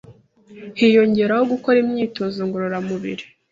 hiyongeraho gukora imyitozo ngorora mubiri